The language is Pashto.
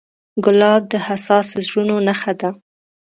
ګلاب د حساسو زړونو نښه ده.